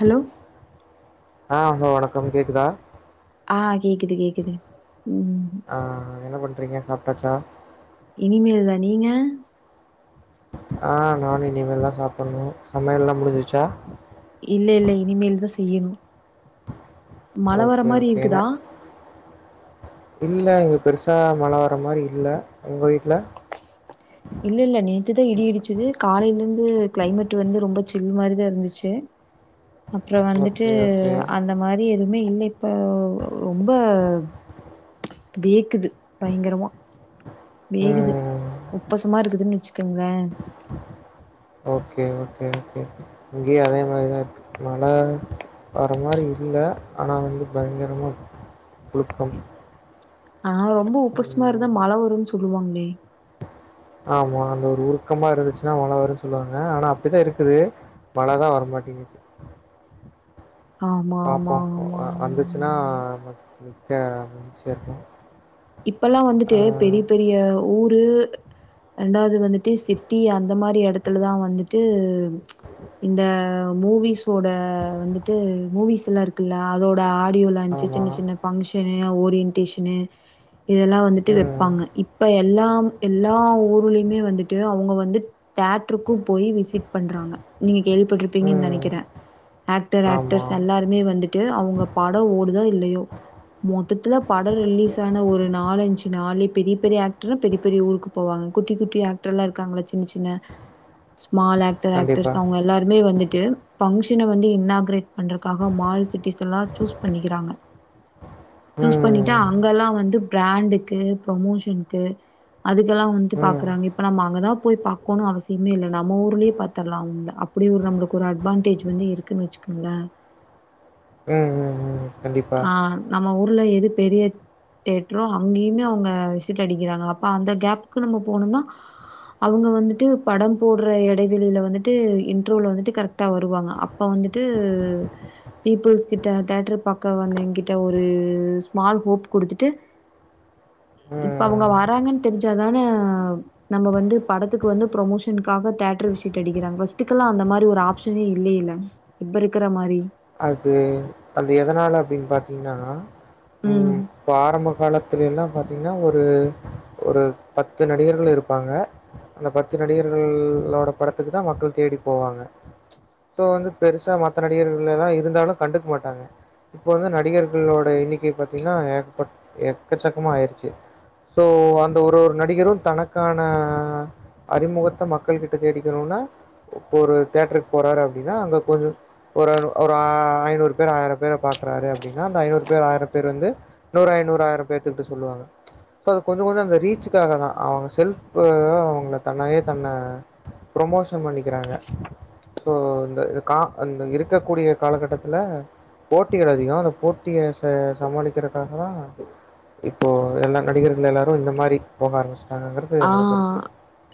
Hello ஆ hello வணக்கம் கேக்குதா ஆ கேக்குது கேக்குது ம் அ என்ன பண்றீங்க சாப்டாச்சா இனிமேல் தான் நீங்க ஆ நானும் இனிமேல் தான் சாப்படணும் சமையல் எல்லாம் முடிஞ்சுச்சா இல்ல இல்ல இனிமேல் தான் செய்யணும் மழ வர ஓகே மாரி இருக்குதா இல்ல இங்க பெருசா மழ வர்ற மாரி இல்ல உங்க வீட்ல இல்ல இல்ல நேத்து தான் இடி இடிச்சுது காலையில இருந்து கிளைமேட் வந்து ரொம்ப சில் மாதிரிதான் இருந்துச்சு அப்புறம் வந்துட்டு ஓகே ஓகே அந்த மாதிரி எதுவுமே இல்ல இப்ப ரொம்ப வேக்குது பயங்கரமா வேகுது ம் உப்பசமா இருக்குதுன்னு வெச்சுக்கங்களேன் ஓகே ஓகே ஓகே இங்கயும் அதே மாதிரிதான் இருக்கு மழ வர மாதிரி இல்ல ஆனா வந்து பயங்கரமா புழுக்கம் ஆ ரொம்ப உப்பசமா இருந்தா மழ வரும்ன்னு சொல்லுவாங்களே ஆமா அந்த ஒரு உருக்கமா இருந்துச்சுன்னா மழ வரும்ன்னு சொல்லுவாங்க ஆனா அப்படித்தான் இருக்குது மழ தான் வர மாட்டீங்குது ஆமா ஆமா பாப்போம் ஆமா ஆமா ஆமா வந்துச்சுன்னா ஆமா [inaudible] இப்பல்லாம் ஆ, வந்துட்டு பெரிய பெரிய ஊரு ரெண்டாவது வந்து சிட்டி அந்த மாதிரி இடத்துலதான் வந்துட்டு இந்த மூவிஸ்சோட வந்துட்டு மூவிஸ் எல்லாம் இரு க்குள்ள அதோட ஆடியோ லாஞ்ச் ஆமா. சின்ன சின்ன ஃபங்ஷனு ஓரியன்டேஷனு இதெல்லாம் வந்துட்டு ம். வெப்பாங்க இப்ப எல்லாம் எல்லா ஊர்லையுமே வந்துட்டு அவங்க வந்து தேட்டருக்கும் போய் விசிட் பண்றாங்க நீங்க கேள்விப்பட்டிருப்பீங்கன்னு ம். நெனைக்கிறேன் ஆக்டர் ஆமா. ஆக்டர்ஸ் எல்லாருமே வந்து ட்டு அவங்க படம் ஓடுதோ இல்லையோ மொத்தத்துல படம் ரிலீஸ் ஆன ஒரு நாலஞ்சு நாளே பெரிய பெரிய ஆக்டர் பெரிய பெரிய ஊருக்கு போவாங்க குட்டி குட்டி ஆக்டர் எல்லாம் இருக்காங்கள சின்ன சின்ன சுமால் ஆக் டர் கண்டிப்பா. ஆக்டர்ஸ் அவங்க எல்லாருமே வந்துட்டு பஃங்ஷன வந்து இன்னாகரேட் பண்றக்காக மால் சிட்டிஸ் எல்லா சூஸ் பண்ணிக்கிறாங்க சூஸ் பண்ணிட்டு ம். அங்க எல்லாம் வந்து பிராண்டுக்கு ப்ரமோஷனுக்கு அதுக்கெல்லாம் வந்துட்டு ம். ம். பாக்குறாங்க இப்ப நம்ம அங்கதான் போய் பா கனும் அவசியமே இல்ல நம்ம ஊர்லயே பார்த்துரலாம் அப்பிடி ஒரு நம்மளுக்கு ஒரு அட்வான்டேஜ் வந்து இருக்குன்னு வெச்சுகங்களேன் உம் ம் கண்டிப்பா. ஆ நம்ம ஊர்ல எது பெரிய தேட்ரோ அங்கயுமே அவங்க விசிட் அடிக்கறாங்க அப்ப அந்த கேப்புக்கு நம்ம போனும்னா அவங்க வந்துட்டு படம் போடுற இடைவெளியில வந்துட்டு இன்ட்ரோவல வந்துட்டு கரெக்டா வருவாங்க அப் ப வந்துட்டு பீப்புள்ஸ் கிட்ட தேட்டரு பா அக்கா வந்து என்கிட்ட ஒரு ஸ்மால் ஹோப் குடுத்துட்டு இப்ப அவங்க ம். வராங்கன்னு தெரிஞ்சாதான நம்ம வந்து படத்துக்கு வந்து ப்ரமோஷனுக்காக தேட்டரு விசிட்டு அடிக்கிறாங்க பர்ஸ்ட்டுக்கெல்லாம் அந்த மாதிரி ஒரு ஆப்ஷனே இல்லைங்க இப்ப இருக்குற மாதிரி அது அது எதனால அப்படின்னு பார்த்தீங்கன்னா ம் இப்ப ஆரம்ப காலத்துல எல்லாம் பாத்தீங்கன்னா ஒரு ஒரு பத்து நடிகர்கள் இருப்பாங்க அந்த பத்து நடிகர்களோட படத்துக்கு தான் மக்கள் தேடி போவாங்க இப்போ வந்து பெருசா மத்த நடிகர்கள் எல்லாம் இருந்தாலும் கண்டுக்க மாட்டாங்க இப்ப வந்து நடிகர்களோட எண்ணிக்கை பாத்தீங்கன்னா எக்க எக்கச்சக்கமா ஆயிடுச்சு சோ அந்த ஒரு ஒரு நடிகரு தனக்கான அறிமுகத்த மக்கள் கிட்ட தேடிக்கணுன்னா இப்ப ஒரு தேட்டருக்கு போறாரு அப்டின்னா அங்க கொஞ்சோ ஒரு ஒரு ஆ ஐநூறு பேர் ஆயிர பேர பாக்குறாரு அப்டின்னா அந்த ஐநூறு பேர் ஆயிரம் பேர் வந்து இன்னொரு ஐநூரு ஆயிரோ பேத்துக்கிட்ட சொல்லுவாங்க அது கொஞ்சோ கொஞ்சோ அந்த ரீச்சுகாக தா அவங்க ஷெல்ப்பு அவுங்க தன்னையே தன்ன புரொமோஷன் பண்ணிக்கிறாங்க சோ இந்த இது கா அந்த இருக் இருக்கக் கூடிய காலகட்டத்துல போட்டிகள் அதிகோ அந்த போட்டிய ச சமாளிக்கிறதுக்காக தா இப்போ எல்லா நடிகர்கள் எல்லாரு இந்த மாரி போக ஆரம்பிச்சுட்டாகங்குறது என்னோட கருத்து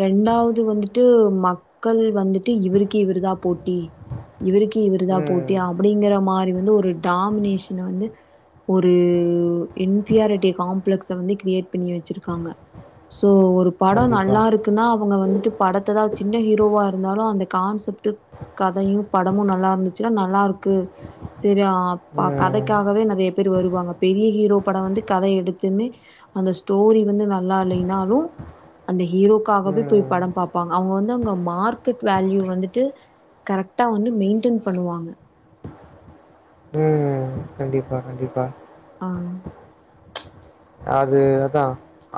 ரெண்டாவது வந்துட்டு மக்கள் வந்துட்டு இவருக்கே இவரு தா போட்டி இவருக்கு இவரு தா ம். போட்டி ஆம் அப்டிங்குற மாரி வந்து ஒரு டாமினேஷன வந்து ஒரு இன்பிரியாரிட்டி காம்ப்ளக்ஸ்ஸ வந்து கிரியேட் பண்ணி வச்சிருக்காங்க சோ ஒரு படோ கண்டிப்பா. நல்லாருக்கு னா அவுங்க வந்துட்டு படத்ததா சின்ன ஹீரோவா இருந்தாலு அந்த கான்செப்ட்டு கதையு படமு நல்லா இருந்துச்சுன்னா நல்லா இருக்கு செரியா பா கதைக் ம். க்காகவே நெறைய பேர் வருவாங்க பெரிய ஹீரோ படோ வந்து கதைய எடுத்துமே அந்த ஸ்டோரி வந்து நல்லா இல்லைனாலு அந்த ஹீரோக்காகவே போய் ம். படம் பாப் பாங்க அவுங்க வந்துங்க மார்கெட் வேல்யூவ வந்துட்டு கரெட்டா வந்து மெயின்ட்டன் பண்ணுவாங்க ம் ம் கண்டிப்பா கண்டிப்பா ஆ அது அதா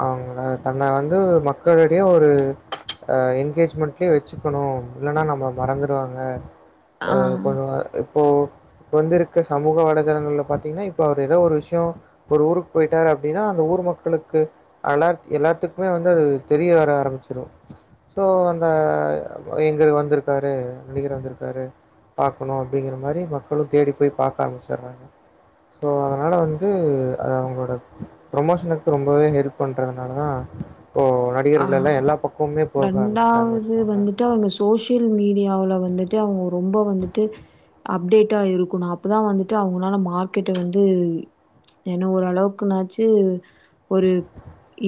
அவுங்க தன்ன வந்து மக்களிடையே ஒரு அ என்கேஜ்மெண்ட்லயே வச்சுக்கணு இல்லன்னா நம்மள மறந்துருவாங்க அ ஆ கொஞ்சோ இத் இப்போ வந்துருக்க சமூக வலைதளங்கள்ல பாத்தீங்கன்னா இப்ப அவர் எதோ ஒரு விஷ்யோ ஒரு ஊருக்கு பொயிட்டாரு அப் அப்டின்னா அந்த ஊர் மக்களுக்கு அலாட் எல்லாத்துக்குமே வந்து அது தெரிய வர ஆரம்பிச்சிரு சோ அந்த எங்கள் வந்துருக்காரு நடிகர் வந்துருக்காரு பாக்கணு அப்டிங்கிற மாரி மக்களு தேடி போய் பாக்க ஆரம்பிச்சுறாங்க சோ அதுனால வந்து அது அவுங்களோட ப்ரொமோஷனுக்கு ரொம்பவே ஹெல்ப் பண்றதுனால தா இப்போ நடிகர் ஆ வீட்லெல்லா எல்லா பக்கமுமே போக ஆரம்பச்சுட்டாங்க வச்சுக்கோங்க வந்துட்டு அவங்க சோசியல் மீடியாவுல வந்துட்டு அவுங்க ரொம்ப வந்துட்டு அப்டேட்டா இருக்கனு அப் அப்பதா வந்துட்டு அவுங்களால மார்க்கெட்ட வந்து ஏன்னா ஒரு அளவுக்குனாச்சு ஒரு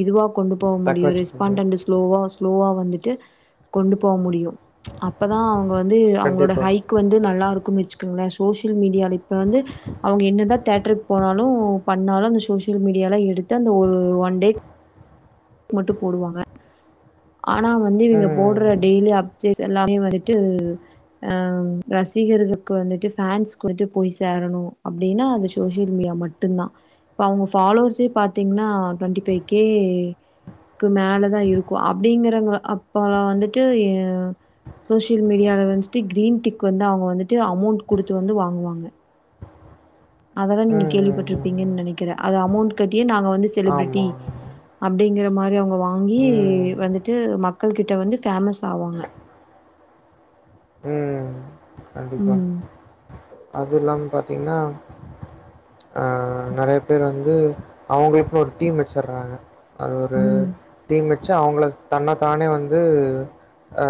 இதுவா கொண்டு போக தக்க முடியு வச்சுக்க ரெஸ்ட் முடியும். ன்டு ஸ்லோவா ஸ்லோவா வந்துட்டு கொண்டு போக முடியும் அப்பதா அவுங்க வந்து அவுங்களோட கண்டிப்பா. ஹைக் வந்து நல்லா இருக்கு வச்சுக்கங்ளே சோசியல் மீடியா இப்ப வந்து அவுங்க என்னதா தேட்ருக்கு போனாலு பண்ணாலு அந்த சோசியல் மீடியால எடுத்து அந்த ஒரு ஒன் டே மட்டு போடுவாங்க ஆனா வந்து இவுங்க ம். போட்ற டெய்லி அப் டேட்டு எல்லாமே வந்துட்டு ஆ ரசிகர்களுக்கு வந்துட்டு ஃபேன்ஸ்க்கு கொண்டுட்டு போய் சேரணு அப்டின்னா அது சோசியல் மீடியா மட் ட்டுந்தா இப்ப அவுங்க பாலோவர்ஷே பாத்தீங்கன்னா டொன்டி ஃபைவ் கே க்கு மேலதா இருக்கு அப்டிங்கிறவுங்க அப்ப வந்துட்டு எ சோசியல் மீடியால வந்துட்டு க்ரீன் டிக் வந்து அவுங்க வந்துட்டு அமௌண்ட் குடுத்து வந்து வாங்குவாங்க அதல்லா நீங்க ம், ம், ம், கேள்விப்பட்ருப்பீங்கன் ம். நெனைக்கிறே அது அமௌண்ட் கட்டியே நாங்க வந்து செலிப்ரிட்டி ஆமா. அப்டிங்குற மாரி அவங்க வாங்கி ம், வந்துட்டு மக்கள்கிட்ட வந்து ஃபேமஸ் ஆவாங்க ம் கண்டிப்பா ம் அதுல்லாம பாத்தீங்கன்னா அ நறைய பேர் வந்து அவங்களுக்குனு ஒரு டீம் வெச்சிடுறாங்க அது ஒரு ம் டீம் வெ ச்சா அவங்கள தன்ன தானே வந்து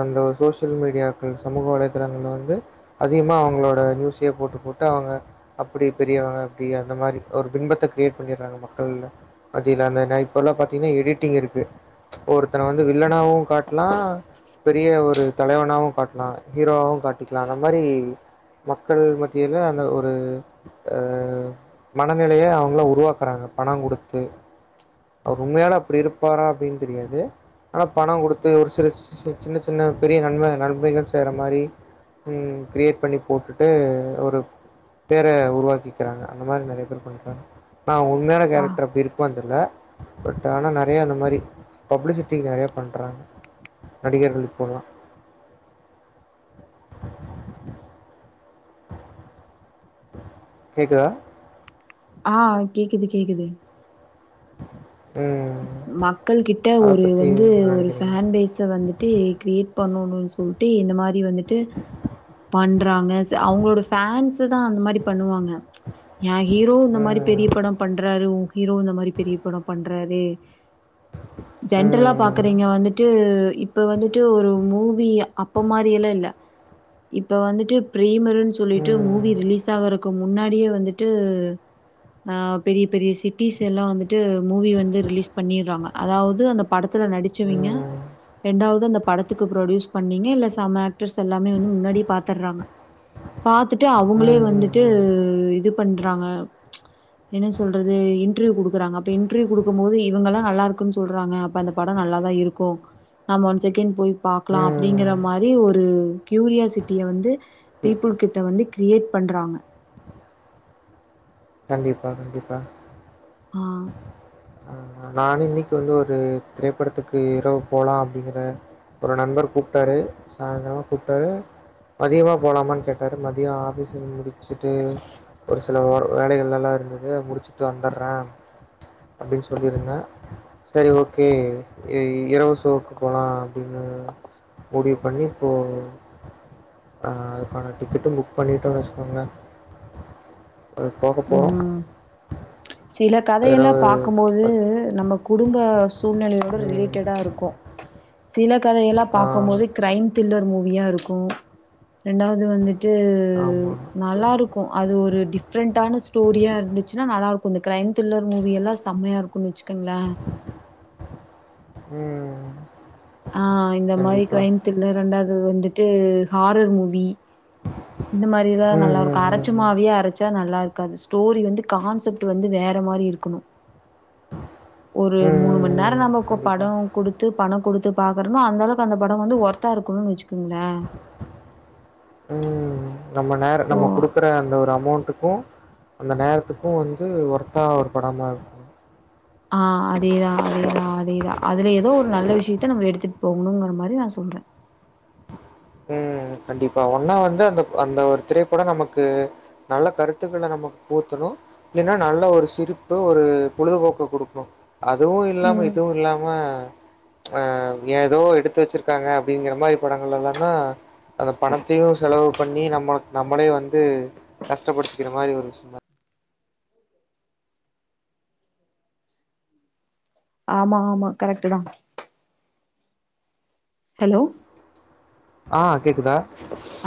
அந்த ஒரு சோசியல் மீடியா சமூக வலைதளங்கள்ல வந்து அதிகமா அவங்களோட நியூஸே போட்டு போட்டு அவங்க அப்டி பெரியவங்க அப்டி அந்த மாரி ஒரு பின்பத்த கிரியேட் பண்ணிடுறாங்க மக்கள்ள அது இல்லாம ந இப்ப எல்லா பாத்தீங்கன்னா எடிட்டிங் இருக்கு இப்பொ ஒருத்தன வந்து வில்லனாவு காட்லா பெரிய ஒரு தலைவனாவு காட் லா ஹீரோவவு காட்டிக்கிலா அந்த மாரி மக்கள் மத்தியில அந்த ஒரு ஆ மனநிலைய அவங்களா உருவாக்குறாங்க பண குடுத்து அவர் உண்மையாவே அப்டி இருப்பாரா அப்டின்னு தெரியாது ஆனா பண கொடுத்து ஒரு சில ச் சின்ன சின்ன பெரிய நன்ம நன்மைகள் செய்ற மாரி ம் கிரியேட் பண்ணி போட்டுட்டு ஒரு பேர உருவாக்கிக்கிறாங்க அந்த மாரி நறைய பேர் பண்றாங்க அனா உண்மையான ஆ கேரக்டர் அப்டி இரு க்குமானு தெரில பட் ஆனா நெறையா அந்த மாரி பப்ளிசிட்டிக்கு நெறைய பண்றாங்க நடிகர்கள் இப்பலா கேக்குதா ஆ கேக்குது கேக்குது ம் மக்கள் கிட்ட அதை ஒரு பற்றி வந்து என்ன ஒரு நினைக்கிறீங்க ஃபேன் பேஸ வந்துட் டு கிரியேட் பண்ணுனு சொல்லிட்டு இந்த மாரி வந்துட் டு பண்றாங்க ச் அவுங்களோட ஃபேன்ஸெ தா அந்த மாரி பண்ணுவாங்க ஏ ஹீரோ இந்த மாரி ம் பெரிய படொ பண்றாரு உ ஹீரோ இந்த மாரி பெரிய படொ பண்றாரு ஜென்ரலா ம் பாக்றீங்க வந்துட்டு இப்ப வந்துட்டு ஒரு மூவி அப்ப மாரி எல்லா இல்ல இப்ப வந்துட்டு பிரெமருன் சொல்லிட்டு ம் மூவி ரிலீஸ் ஆகுற க்கு முன்னாடியே வந்துட்டு அ பெரிய பெரிய சி ட்டீஸ் எல்லா வந்துட்டு மூவி வந்து ரிலீஸ் பண்ணிறாங்க அதாவது அந்த படத்துல ம் நடிச்சவங்க ம் ரெண்டாவது அந்த படத்துக்கு ப்ரொடியூஸ் பண்ணீங்க இல்ல சம ஆக்டர்ஸ் எல்லாமே வந்து முன்னாடி பாத்துட்றாங்க பாத்துட்டு அவுங்களே ம் வந்துட்டு ம் இது பண்றாங்க என்ன சொல்றது இன்ட்ரிவியூ குடுக்குறாங்க அப்ப இன்ட்ரிவியூ குடுக்கும் போது என் இவுங்கல்லா நல்லா இருக்குன் சொல்றாங்க அப்ப அந்த பட நல்லாதா இருக்கு நம் ஒன் செகண்ட் போய் பாக்குலா அப்டிங்குற ம் மாரி ஒரு க்யூரியாசிட்டிய வந்து பீப்புள் கிட்ட வந்து கிரியேட் பண்றாங்க கண்டிப்பா கண்டிப்பா ஆ ஆ நானு இன்னைக்கு வந்து ஒரு திரைப்படத்துக்கு இரவு போலா அப்டிங்குற ஒரு நண்பர் கூப்டாரு சாய்ந்துரோ கூப்டாரு மதியமா போலாமான் கேட்டாரு மதிய ஆஃபீஸ முடிச்சுட்டு ஒரு சில ஒர் வேலைகள்லல்லா இருந்தது அது முடிச்சுட்டு வந்துறே அப்டின்னு சொல்லிருந்தே சரி ஓகே இ இரவு சோக்கு போலா அப்டின்னு முடிவு பண்ணி இப்போ ஆ அதுக்கான டிக்கெட்டு புக் பண்ணிட்டோ வெச்கோங்களே அது போக போலா ம் சில கதயெல்லா பாக் கும்போது பத் நம்ம குடும்ப சூழ்நிலையோட ம். ரிலேட்டடா இருக்கு சில கதயெல்லா ஆ பாக்கும் போது கிரைம் திரில்லர் மூவியா இருக்கு ரெண்டாவது வந்து டு ஆமா. நல்லா இருக்கு அது ஒரு டிஃப்ரெண் டான ஸ்டோரியா இருந்துசுனா நல்லாருக்கு இந்த கிரைம் த்ரில்லர் மூவியெல்லா செமையா இருக்குனு வச்சுக்கங்ளே ம் ஆ இந்த மாரி கண்டிப்பா. க்ரைம் த்ரில்லர் ரெண்டாவது வந்துட்டு ஹாரர் மூவி இந்த மாரி லா ம், நல்லா இருக்கு ம், அர ம், ம். சும்மாவே அரச்சா நல்லா இருக்காது ஸ்டோரி வந்து கான்சப்ட் வந்து வேற மாரி இருக்கணு ஒரு ம், மூணு ம், மண்நேர ம். நமக்கு கண்டிப்பா. பட குடுத்து பண குடுத்து பாக்றேனா அந்த அளவு ப அந்த பட வந்து ஒர்த்தா இருக்கணு வச்சுக்கோங்ளே ம் நம்ம நேர நம்ம சோ குடுக்க ப அந்த ஒரு அமௌண்ட்டுக்கு அந்த நேரத்துக்கு வந்து ஒர்த்தா ஒரு படமா ஆ அதேதா அதேதா அதேதா அதுல ஏதோ ஒரு நல்ல விஷயத்த நம்ம எடுத்துட் போகணுங்ற மாரி நா சொல்றே ம் கண்டிப்பா ஒன்னா வந்து அந்த அந்த ஒரு திரைப்பட நமக்கு நல்ல கருத்துகள நம்ம பூத்தணு இல்லன்னா நல்ல ஒரு சிரிப்பு ஒரு பொழுதுபோக்க குடுக்கும் அதுவு இல்லாம ம். இதுவு இல்லாம அ ஏதோ எடுத்து வச்ருக்காங்க அப்டிங்ற மாரி படங்கள் எல்லா னா அந்த பணத்தையு செலவு பண்ணி நம்ம நம்மளே வந்து கஷ்டப்படுத்திக்கிற மாரி ஒரு விஷயமா ஆமா ஆமா கரெக்ட் தா ஹலோ ஆ கேக்குதா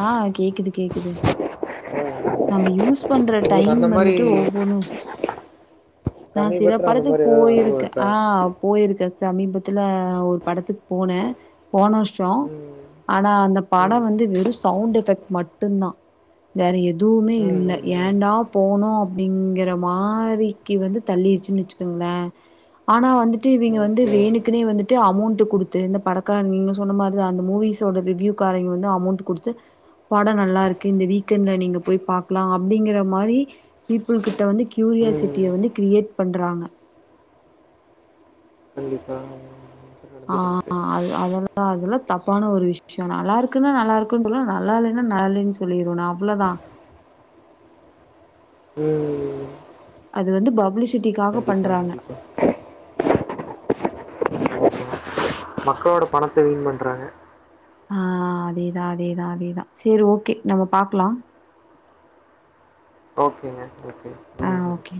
ஆ கேக்குது கேக்குது நம்ம யூஸ் பண்ற உங்களுக்கு டைம் அந்த மாரி வந்துட்டு ஒவ்வொணு நா சில சமீபத்துல அந்த படத்து மாரி ஏதாவது அனுபவம் போயிருக்கே இருக்கா? ஆ போயிருக்க சமீபத்துல ஒரு படத்துக்கு போனே போன வருஷ ப்ற ம். ஆனா அந்த பட ம். வந்து வெறு சவுண்ட் எஃபெக்ட் மட்டு தா வேற எ துவுமே ம். இல்ல ம். ம். ஏண்டா போனோ அப்படிங்கற மாரிக்கு வந்து தள்ளிருச்ன் வச்சுக்கோங்ளேன் ஆனா வந்து டு இவுங்க வந்து ஓகே. வேணு த்னி வந்துட்டு அமௌண்ட் குடுத்து இந்த படக்க நீங்க சொன்ன மாதிரி தா அந்த மூவிஸோட ரிவ்யு காரங்க வந்து அமௌண்ட் குடுத்து படம் நல்லா இருக்கு இந்த வீக் எண்டுல நீங்க போய் பாக்லா அப்படிங்கிற மாரி பீப்புள்கிட்ட வந்து ம். கியூரியாசிட்டிய வந்து கிரியேட் பண்றாங்க கண்டிப்பா ஆ நடந்துட்டு இருக்கு. அ அதெல்லா அதெல்லா தப்பான ஒரு விஷய நல்லா இருக்குன்ன நல்லா இருக்கு சொல்ல நல்லா இல்லனா நல்லனு சொல்லிருவ நா அவ்ளோதா ம் அது வந்து பப்ளிஷ் கண்டிப்பா கண்டிப்பா மக்களோட பணத்தை வீண் பண்றாங்க ஆ அதேதா அதேதா அதேதா செரி ஓகே நம்ம பாக்லா ஓகேங்க ஓகே ஆ ஓகே